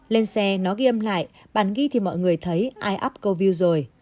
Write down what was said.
lên xe nó ghi âm lại bản ghi thì mọi người thấy ai up câu view rồi